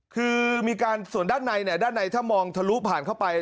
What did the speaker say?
คือมีการส่วนด้านในด้านในถ้ามองทะลุผ่านเข้าไป